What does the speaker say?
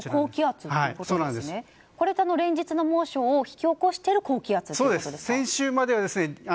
これは連日の猛暑を引き起こしている高気圧ということですか？